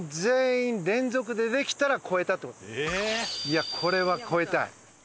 これは超えたい。